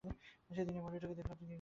সেদিন যে মহিলাটিকে দেখলাম, তিনি– রসিক।